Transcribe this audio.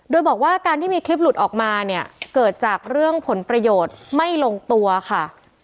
โดยบอกว่าการที่มีคลิปหลุดออกมาเนี่ยเกิดจากเรื่องผลประโยชน์ไม่ลงตัวค่ะ